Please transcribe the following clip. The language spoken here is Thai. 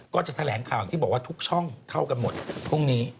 ก็จะแถลงข่าวที่บอกว่าทุกช่องเท่ากันหมดพรุ่งนี้